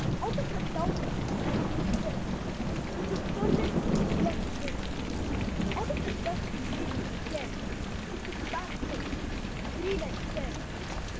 Out of the doubting and distress Into certain blessedness. Out of the dusty lanes of care Into pastures green and fair.